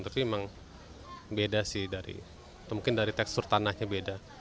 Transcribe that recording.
tapi memang beda sih mungkin dari tekstur tanahnya beda